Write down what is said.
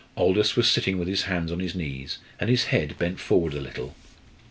Aldous was sitting with his hands on his knees, and his head bent forward a little.